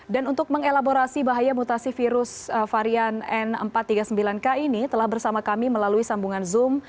dan untuk mengelaborasi bahaya mutasi virus varian n empat ratus tiga puluh sembilan k ini telah bersama kami melalui sambungan zoom